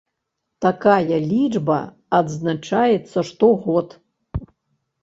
Такая лічба адзначаецца штогод.